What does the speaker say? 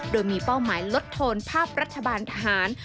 โดยมีเป้าหมายลดโทนภาพรัฐบาลทหาร